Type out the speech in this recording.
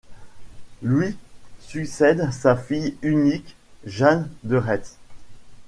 Lui succède sa fille unique, Jeanne de Retz.